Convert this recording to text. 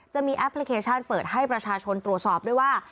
แอปพลิเคชันเปิดให้ประชาชนตรวจสอบด้วยว่า